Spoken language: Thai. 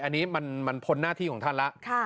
อันนี้มันพ้นหน้าที่ของท่านแล้ว